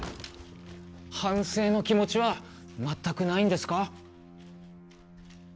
反省の気持ちは全くないんですか？